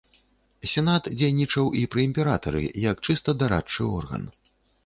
Сенат дзейнічаў і пры імператары як чыста дарадчы орган.